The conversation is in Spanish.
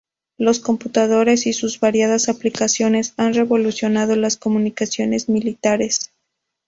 Los computadores y sus variadas aplicaciones han revolucionado las comunicaciones militares.